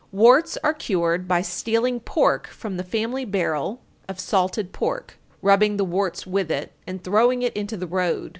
Warts are cured by stealing pork from the family barrel of salted pork, rubbing the warts with it, and throwing it into the road.